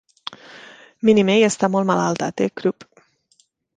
Minnie May està molt malalta, té crup.